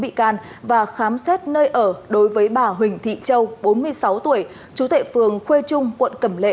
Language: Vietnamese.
bị can và khám xét nơi ở đối với bà huỳnh thị châu bốn mươi sáu tuổi chú thệ phường khuê trung quận cẩm lệ